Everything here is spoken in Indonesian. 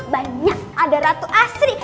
banyak ada ratu asri